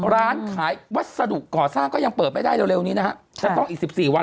ร้านขายวัสดุก่อสร้างก็ยังเปิดไม่ได้เร็วนี้นะฮะจะต้องอีก๑๔วัน